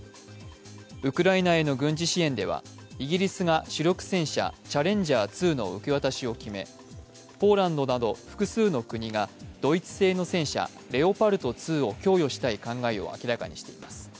ウクライナへの軍事支援ではイギリスが主力戦車チャレンジャー２の受け渡しを決めポーランドなど複数の国がドイツ製の戦車、レオパルト２を供与したい考えを明らかにしています。